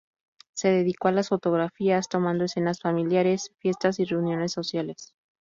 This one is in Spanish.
Se dedicó a la fotografía tomando escenas familiares, fiestas y reuniones sociales.